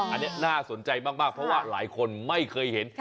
อันนี้น่าสนใจมากเพราะว่าหลายคนไม่เคยเห็น